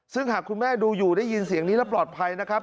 ซึ่งหากคุณแม่ดูอยู่ได้ยินเสียงนี้แล้วปลอดภัยนะครับ